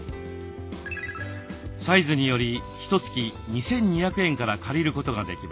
サイズによりひとつき２，２００円から借りることができます。